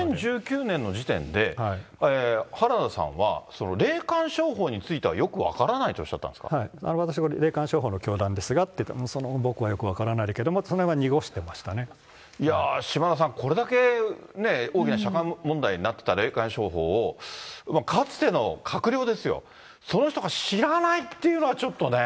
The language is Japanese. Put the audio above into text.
２０１９年の時点で、原田さんは霊感商法についてはよく分からないとおっしゃったんで私、霊感商法の教団ですがって、その僕は、よく分からないけどもと、いやぁ、島田さん、これだけ大きな社会問題になっていた霊感商法を、かつての閣僚ですよ、その人が知らないっていうのはちょっとね。